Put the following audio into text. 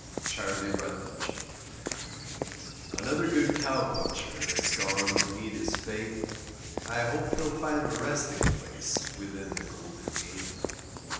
CHARLIE RUTLAGE Another good cow puncher has gone to meet his fate, I hope he'll find a resting place within the golden gate.